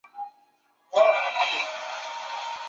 校本部位于日本千叶县千叶市。